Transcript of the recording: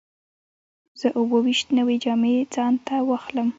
زه اووه ویشت نوې جامې ځان ته واخلم.